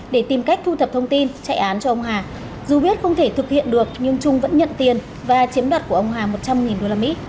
để tìm cách thu thập thông tin chạy án cho ông hà dù biết không thể thực hiện được nhưng trung vẫn nhận tiền và chiếm đoạt của ông hà một trăm linh usd